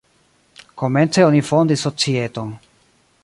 Komence oni fondis societon.